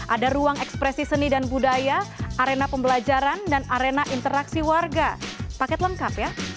ada ruang ekspresi seni dan budaya arena pembelajaran dan arena interaksi warga paket lengkap ya